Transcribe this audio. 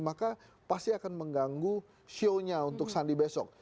maka pasti akan mengganggu shownya untuk sandi besok